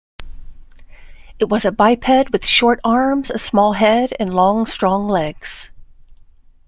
It was a biped with short arms, a small head, and long, strong legs.